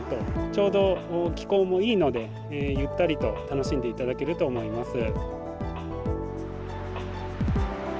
ちょうど気候もいいのでゆったりと楽しんでいただけると思います。